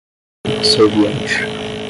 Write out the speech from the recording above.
serviente